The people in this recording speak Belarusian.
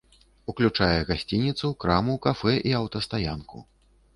Уключае гасцініцу, краму, кафэ і аўтастаянку.